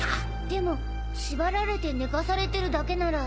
でも縛られて寝かされてるだけなら。